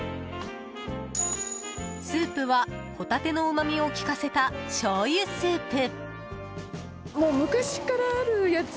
スープはホタテのうまみを効かせたしょうゆスープ。